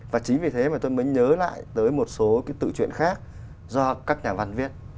và chính vì thế mà tôi mới nhớ lại tới một số cái tự chuyện khác do các nhà văn viết